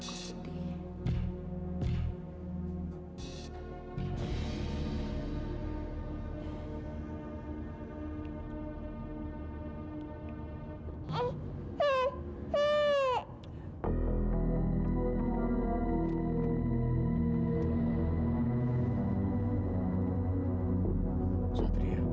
svm serviris ini gak ada thirteen